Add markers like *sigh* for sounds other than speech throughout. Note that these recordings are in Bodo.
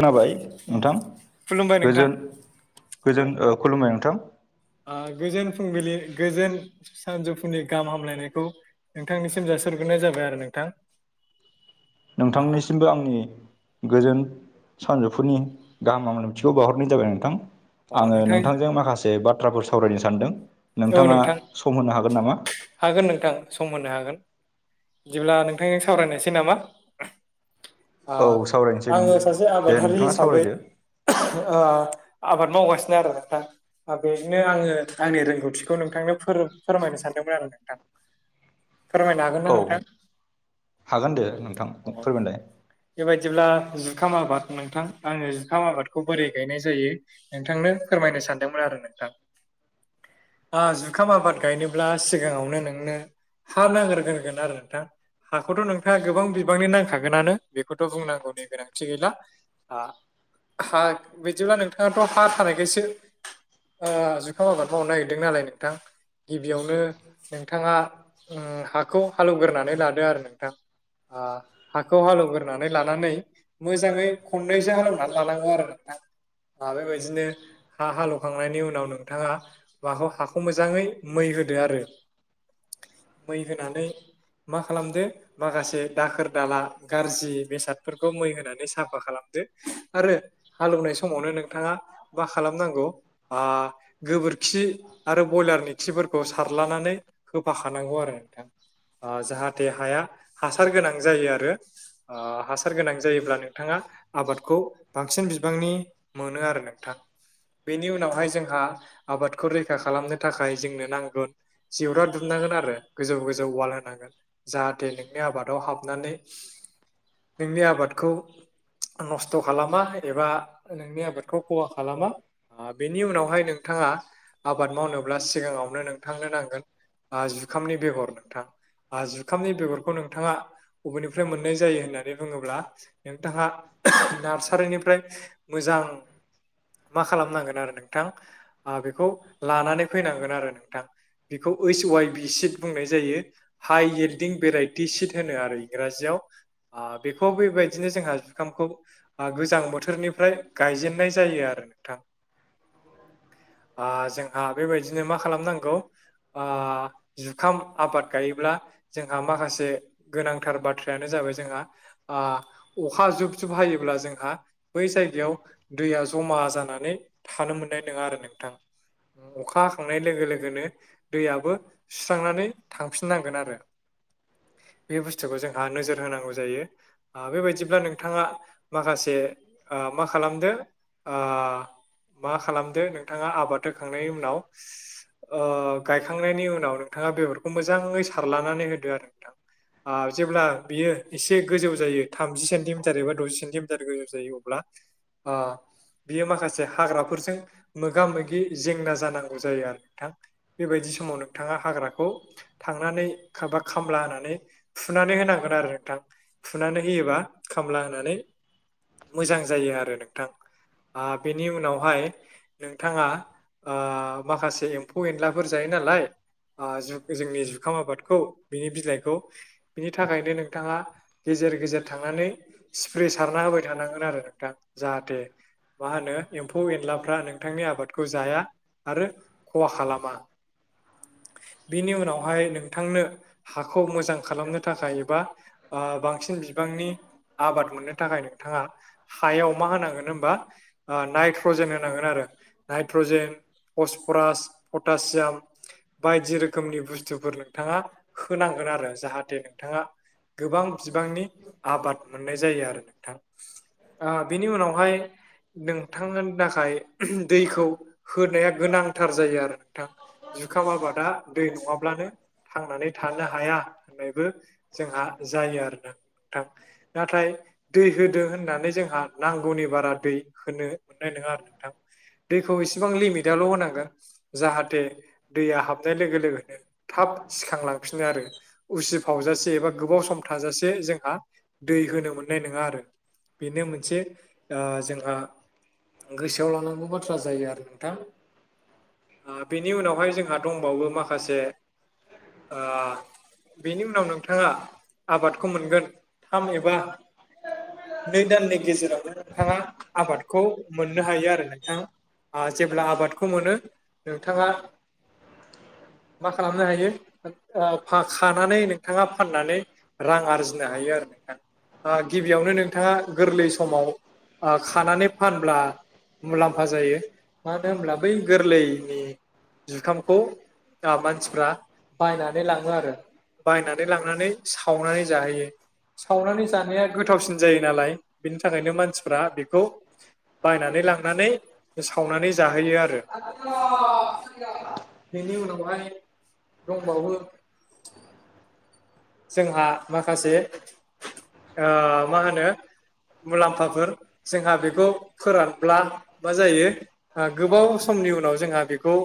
खोनाबाय नोंथां खुलुमबाय नोंथां गोजोन गोजोन खुलुमबाय नोंथां गोजोन फुंबिलि गोजोन सानजौफुनि गाहाम हामलायनायखौ नोंथांनिसिम जासग्रोनाय जाबाय आरो नोंथां। नोंथांनिसिमबो आंनि गोजोन सानजौफुनि गाहाम हामलामथिखौ बावहरनाय जाबाय नोंथां। ओ अ आङो नोंथां नोंथांजों माखासे बाथ्राफोर सावरायनो सानदों औ नोंथाङा नोंथां सम होनो हागोन नामा? हागोन नोंथां सम होनो हागोन बिदिब्ला नोंथां सावरायनोसै नामा? ओ औ सावरायनोसै नों आङो सासे दे आबादारि नोंथाङा हिसाबै सावरायदो ओ आबाद मावगासिनो आरो नोंथा बेजोंनो आङो आंनि रोंगौ थिखौ नोंथांनो फोर फोरमायनो सानदोंमोन आरो नोंथां। फोरमायनो हागोन ना औ नोंथां हागोन दे नोंथां औ फोरमायलाय बेबायदिब्ला जुखाम आबाद नोंथां आङो जुखाम आबादखौ बोरै गायनाय जायो नोंथांनो फोरमायनो सानदोंमोन आरो नोंथां। जुखाम आबाद गायनोब्ला सिगाङावनो नोंनो हा नागिरग्रोगोन आरो नोंथां। हाखौथ' नोंथाङा गोबां बिबांनि नांखागोनानो बेखौथ' बुंनांगौनि गोनांथि गैला। हा हा बिदिब्ला नोंथाङाथ' हा थानायखायसो ओ जुखाम आबाद मावनो नागिरदों नालाय नोंथां गिबियावनो नोंथाङा हाखौ हालौवग्रानै लादो आरो नोंथां। हाखौ हालेवग्रोनानै लानानै मोजाङै खननैसो हालौनानै लानांगौ आरो नोंथां। बेबायदिनो हा हालौवखांनायनि उनाव नोंथाङा माखौ हा खौ मोजाङै मै होदो आरो मै होनानै मा खालामदो माखासे दाखोर दाला गाज्रि बेसादफोरखौ मै होनानै साफा खालामदो आरो हाल एवनाय समावनो नोंथाङा मा खालामनांगौ ओ गोबोरखि आरो ब्यलारनि खिफोरखौ सारलानानै होफाखानांगौ आरो नोंथां। ओ जाहाथे हाया हासार गोनां जायो आरो ओ हासार गोनां जायोब्ला नोंथाङा आबादखौ बांसिन बिबांनि मोनो आरो नोंथां। बेनि उनावहाय जोंहा आबादखौ रै खा खालामनो थाखाय जोंनो नांगोन जिवरा दुमनांगोन आरो गोजौ गोजौ वाल होनांगोन। जाहाथे नोंनि आबादाव हाबनानै नोंनि आबादखौ नस्थ' खालामा एबा नोंनि आबादखौ खहा खालामा। ओ बेनि उनावहाय नोंथाङा आबाद मावनोब्ला सिगाङावनो नोंथांनो नांगोन ओ जुखामनि बेगर नोंथां ओ जुखामनि बेगरखौ नोंथाङा बबेनिफ्राय मोननाय जायो होननानै बुङोब्ला नोंथाङा नार्सारिनिफ्राय मोजां मा खालामनांगोन आरो नोंथां ओ बेखौ लानानै फैनांगोन आरो नोंथां। बेखौ ओइस वाइ बिसिद बुंनाय जायो। हाइ एडिंबेराइटि सिट होनो आरो इंराजियाव ओ बेखौ बेबायदिनो जोंहा जुखामखौ ओ गोजां बोथोरनिफ्राय गायजेननाय जायो आरो नोंथां। जोंहा बेबायदिनो मा खालामनांगौ? ओ जुखाम आबाद गायोब्ला जोंहा माखासे गोनांथार बाथ्रायानो जाबाय जोंहा ओ अखा जुब जुब हायोब्ला जोंहा बै जायगायाव दैया जमा जानानै थानो मोननाय नङा आरो नोंथां। अखा हाखांनाय लोगो लोगोनो दैयाबो सुस्रांनानै थांफिननांगोन आरो। बे बुस्थुखौ जोंहा नोजोर होनांगौ जायो। ओ बेबायदिब्ला नोंथाङा माखासे मा खालामदो? ओ मा खालामदो नोंथाङा आबाद होखांनायनि उनाव ओ गायखांनायनि उनाव नोंथाङा बेगरखौ मोजाङै सारलानानै होदो आरो नोंथां। ओ जेब्ला बियो एसे गोजौ जायो थामजि सेन्टिमिटार एबा द'जि सेन्टिमिटार गोजौ जायो अब्ला ओ बियो माखासे हाग्राफोरजों मोगा मोगि जेंना जानांगौ जायो *unintelligible* आरो नोंथां बेबायदि समाव नोंथाङा हाग्राखौ थांनानैबा खामला होनानै फुनानै होनांगोन आरो नोंथां। फुनानै होयोबा खामला होनानै मोजां जायो आरो नोंथां ओ बेनि उनावहाय नोंथाङा ओ माखासे एम्फौ एनलाफोर जायो नालाय। ओ जोंनि जुखाम आबादखौ बिनि बिलाइखौ बिनि थाखायनो नोंथाङा गेजेर गेजेर थांनानै स्प्रे सारना होबाय थानांगोन आरो नोंथां जाहाथे मा होनो एम्फौ एनलाफ्रा नोंथांनि आबादखौ जाया। आरो खहा खालामा बेनि उनावहाय नोंथांनो हाखौ मोजां खालामनो थाखाय एबा ओ बांसिन बिबांनि आबाद मोननो थाखाय नोंथाङा हायाव मा होनांगोन होनबा नाइट्रजेन होनांगोन आरो नाइट्रजेन फसफरास पटासियाम बायदि रोखोमनि बुस्थुफोर नोंथाङा होनांगोन आरो जाहाथे नोंथाङा गोबां बिबांनि आबाद मोननाय जायो आरो नोंथां। ओ बेनि उनावहाय नोंथांनि थाखाय दैखौ होनाया गोनांथार जायो आरो नोंथां। जुखाम आबादा दै नङाब्लानो थांनानै थानो हाया होननायबो जोंहा जायो आरो ना नोंथां नाथाय दै होदों होननानै जोंहा नांगौनि बारा दै होनो मोननाय नोङा आरो नोंथां। दैखौ इसेबां लिमिट आल' होनांगोन जाहाथे दैया हाबनाय लोगो लोगोनो थाब सिखांलांफिनो आरो उसिफावजासे एबा गोबाव सम थाजासे जोंहा दै होनो मोननाय नोङा आरो बेनो मोनसे ओ जोंहा गोसोआव लानांगौ बाथ्रा जायो आरो नोंथां। ओ बिनि उनावहाय जोंहा दंबावो माखासे ओ बेनि उनाव नोंथाङा आबादखौ मोनगोन थाम एबा नै दाननि गेजेरावनो नोंथाङा आबादखौ मोननो हायो आरो नोंथां। आ जेब्ला आबादखौ मोनो नोंथाङा मा खालामनो हायो ओ खानानै नोंथाङा फाननानै रां आरजिनो हायो आरो नोंथां। ओ गिबियावनो नोंथाङा गोरलै समाव ओ खानानै फानब्ला मुलाम्फा जायो मानो होनब्ला बै गोरलैनि जुखामखौ ओ मानसिफ्रा बायनानै लाङो आरो। बायनानै लांनानै सावनानै जाहैयो। सावनानै जानाया गोथावसिन जायो नालाय बेनि थाखायनो मानसिफ्रा बेखौ बायनानै लांनानै सावनानै जाहोयो आरो। बेनि उनावहाय दंबावो जोंहा माखासे ओ मा होनो मुलाम्फाफोर जोंहा बेखौ फोरानब्ला मा जायो गोबाव समनि उनाव जोंहा बेखौ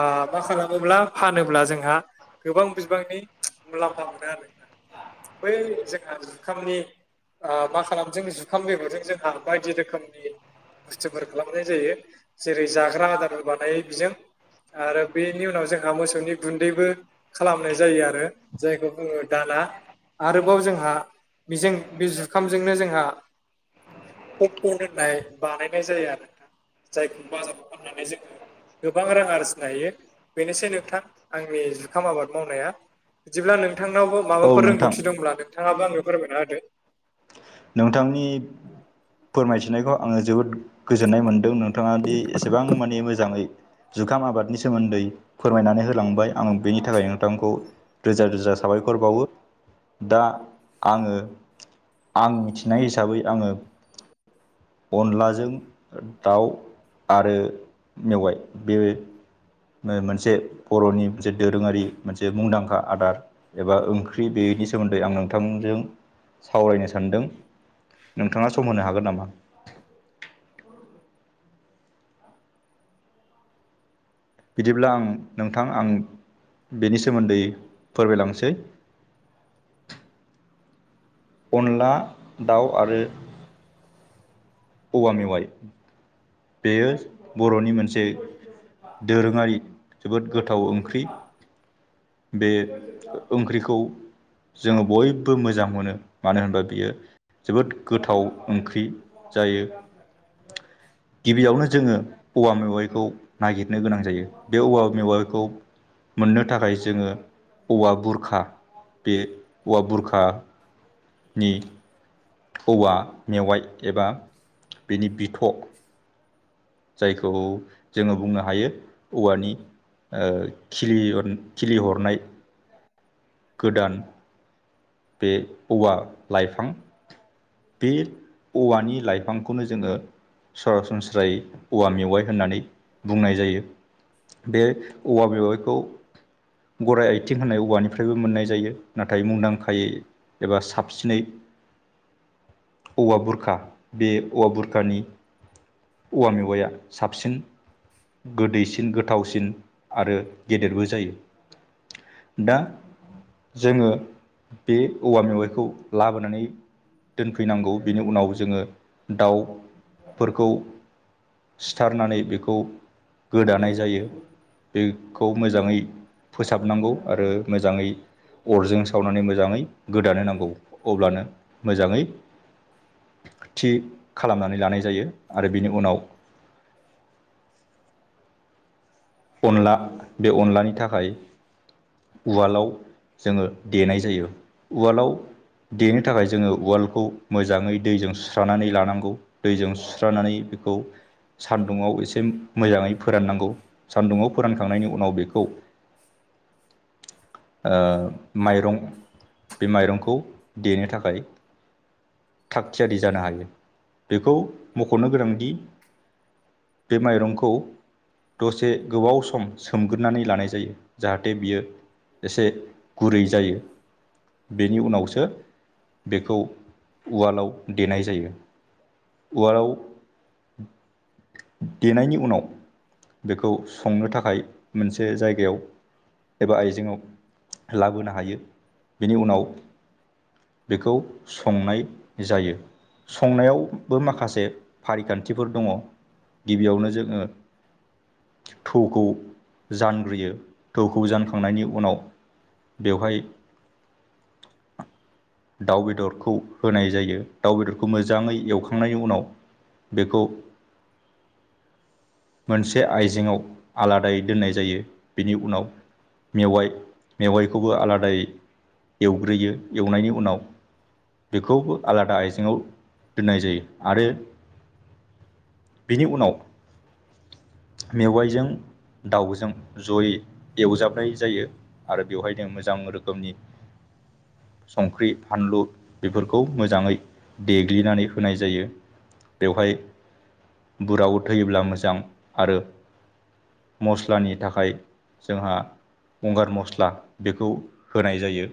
आ मा खालामोब्ला फानोब्ला जोंहा गोबां बिबांनि मुलाम्फा मोनो। आरोना बै जोंहा जुखामनि ओ मा खालामदों जुखाम बेगरजों जोंहा बायदि रोखोमनि बुस्थुफोर खालामनाय जायो जेरै जाग्रा आदारफोर बानायो बिजों। आरो बेनि उनाव जोंहा मोसौनि गुन्दैबो खालामनाय जायो आरो जायखौ बुङो दाना आरोबाव जोंहा बेजों बे जुखामजोंनो जोंहा पपकर्न होननाय बानायनाय जायो आरो नोंथां जायखौ बाजाराव फाननानै जोङो गोबां रां आरजिनो हायो बेनोसै नोंथां आंनि जुखाम आबाद मावनाया। बिदिब्ला नोंथांनावबो औ माबाफोर नोंथां रोंगौथि दंब्ला नोंथाङाबो आंनो फोरमायना होदो। नोंथांनि फोरमायथिनायखौ आङो जोबोद गोजोननाय मोनदों। नोंथाङा दि एसेबां मानि मोजाङै जुखाम आबादनि सोमोन्दै फोरमायनानै होलांबाय आं बेनि थाखाय नोंथांखौ रोजा रोजा साबायखर बावो दा आङो आं मिथिनाय हिसाबै आङो अनलाजों दाउ आरो मेवाय बे मोनसे बर'नि मोनसे दोरोङारि मोनसे मुंदांखा आदार। एबा ओंख्रि बेनि सोमोन्दै आं नोंथांमोनजों सावरायनो सानदों। नोंथाङा सम होनो हागोन नामा? *inaudible* बिदिब्ला आं नोंथां आं बेनि सोमोन्दै फोरमायलांसै। अनला दाउ आरो औवा मेवाइ। बेयो बर'नि मोनसे दोरोङारि जोबोद गोथाव ओंख्रि। बे ओंख्रिखौ जोङो बय बो मोजां मोनो मानो होनबा बियो जोबोद गोथाव ओंख्रि जायो। *inaudible* गिबियावनो जोङो औवा मेवाइखौ नागिरनो गोनां जायो बे औवा मेवाइखौ मोननो थाखाय जोङो औवा बुरखा बे औवा बुरखा नि औवा मेवाइ एबा बेनि बिथ जायखौ जोङो बुंनो हायो औवानि ओ खिलि-खिलिहरनाय गोदान बे औवा लाइफां बे औवानि लाइफांखौनो जोङो सरासनस्रायै औवा मेवाइ होननानै बुंनाय जायो। बे औवा मेवाइखौ गराइ आइथिं होननाय औवानिफ्रायबो मोननाय जायो नाथाय मुंदांखायै एबा साबसिनै औवा बुरखा बे औवा बुरखानि औवा मेवाइया साबसिन गोदैसिन गोथावसिन आरो गेदेरबो जायो। दा जोङो बे औवा मेवाइखौ लाबोनानै दोनफैनांगौ बिनि उनाव जोङो दाउफोरखौ सिथारनानै बेखौ गोदानाय जायो बेखौ मोजाङै फोसाबनांगौ आरो मोजाङै अरजों सावनानै मोजाङै गोदानो नांगौ अब्लानो मोजाङै थि खालामनानै लानाय जायो आरो बेनि उनाव अनला बे अनलानि थाखाय उवालाव जोङो देनाय जायो उवालाव देनो थाखाय जोङो ववालखौ मोजाङै दैजों सुस्रनानै लानांगौ दैजों सुस्रानानै बेखौ सान्दुंआव एसे मोजाङै फोराननांगौ सान्दुङाव फोरानखांनायनि उनाव बेखौ माइरं बे माइरंखौ देनो थाखाय थाग थियारि जानो हायो बेखौ मख'नो गोनांदि बे माइरंखौ मोनसे गोबाव सम सोमग्रोनानै लानाय जायो जाहाथे बियो एसे गुरै जायो बेनि उनावसो बेखौ उवालाव देनाय जायो उवालाव देनायनि उनाव बेखौ संनो थाखाय मोनसे जायगायाव एबा आयजेंआव लाबोनो हायो बिनि उनाव बेखौ संनाय जायो संनायावबो माखासे फारिखान्थिफोर दङ गिबियावनो जोङो थौखौ जानग्रोयो थौखौ जानखांनायनि उनाव बेवहाय दाउ बेदरखौ होनाय जायो दाउ बेदरखौ मोजाङै एवखांनायनि उनाव बेखौ मोनसे से आइजेंआव आलादायै दोननाय जायो बेनि उनाव मेवाइ मेवाइखौबो आलादायै एवग्रोयो एवनायनि उनाव बेखौबो आलादा आइजेंवाव दोननाय जायो आरो बिनि उनाव मेवाइजों दाउजों जयै एवजाबनाय जायो आरो बेवहायनो मोजां रोखोमनि संख्रि फानलु बेफोरखौ मोजाङै देग्लिनानै होनाय जायो बेवहाय बुराव थैयोब्ला मोजां आरो मस्लानि थाखाय जोंहा गंगार मस्ला बेखौ होनाय जायो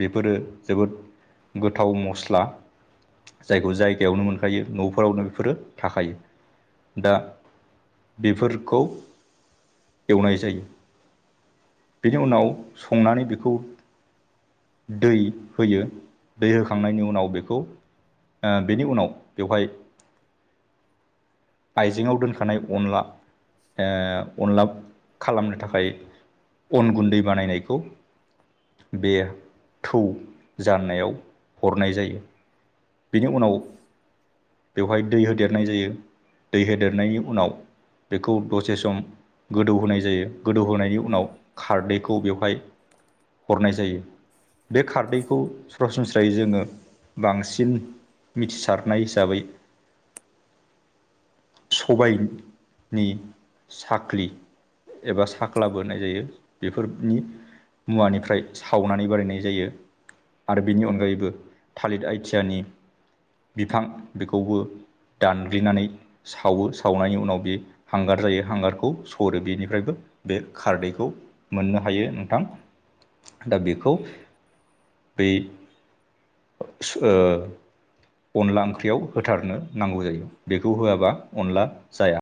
बेफोरो जोबोद गोथाव मस्ला जायखौ जायगायावनो मोनखायो न'फोरावनो बेफोरो थाखायो दा बेफोरखौ एवनाय जायो बिनि उनाव संनानै बेखौ दै होयो दै होखांनायनि उनाव बेखौ आ बेनि उनाव बेवहाय आइजेंआव दोनखानाय अनला अनला खालामनो थाखाय अन गुन्दै बानायनायखौ बे थौ जाननायाव हरनाय जायो बेनि उनाव बेवहाय दै होदेरनाय जायो दै होदेरनायनि उनाव बेखौ दसे सम गोदौ होनाय जायो गोदौहोनायनि उनाव खारदैखौ बेवहाय हरनाय जायो बे खारदैखौ सरासनस्रायै जोङो बांसि न मिथिसारनाय हिसाबै सबाय होयो साख्रि एबा साख्ला होननाय जायो बेफोरनि मुवानिफ्राय सावनानै बानायनाय जायो आरो बेनि अनगायैबो थालिर आइथि यानि बिफां बेखौबो दानग्लिनानै सावो सावनायनि उनाव बे हांगार जायो हांगारखौ सरो बेनिफ्रायबो बे खारदैखौ मोननो हायो नोंथां दा बेखौ बै ओ अनला ओंख्रियाव होथारनो नांगौ जायो बेखौ होआबा अनला जाया